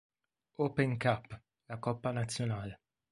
Open Cup, la coppa nazionale.